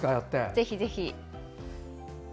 ぜひ、ぜひ。